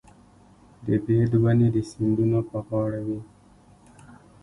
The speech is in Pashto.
د بید ونې د سیندونو په غاړه وي.